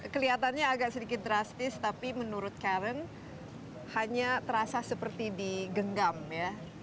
kelihatannya agak sedikit drastis tapi menurut karen hanya terasa seperti digenggam ya